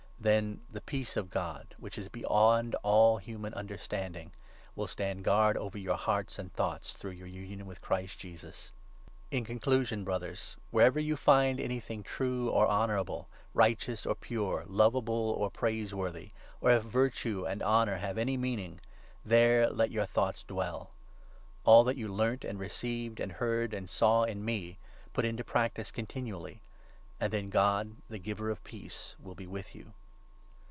Then the Peace of God, which is beyond all human 7 understanding, will stand guard over your hearts and thoughts, through your union with Christ Jesus. In conclusion, Brothers, wherever you find anything true or 8 honourable, righteous or pure, lovable or praiseworthy, or if ' virtue ' and ' honour ' have any meaning, there let your thoughts dwell. All that you learnt and received and heard 9 and saw in me put into practice continually ; and then God, the giver of peace, will be with you.